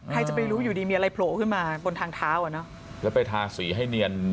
ใครจะไปรู้อยู่ดีมีอะไรโผล่ขึ้นมาบนทางเท้าอ่ะเนอะแล้วไปทาสีให้เนียน